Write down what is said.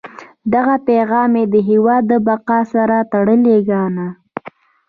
دغه پیغام یې د هیواد د بقا سره تړلی ګاڼه.